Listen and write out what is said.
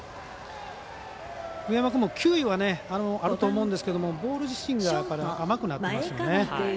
上山君は球威はあると思うんですけどボール自身が甘くなってますよね。